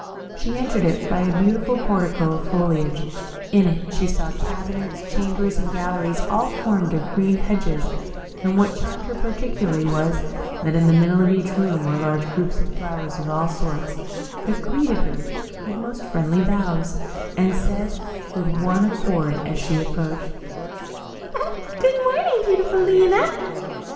She entered it by a beautiful portico of foliage; in it she saw cabinets, chambers, and galleries, all formed of green hedges, and what charmed her particularly was, that in the middle of each room were large groups of flowers of all sorts, that greeted her with most friendly bows, and said with one accord, as she approached, "Good morning, beautiful Lionette."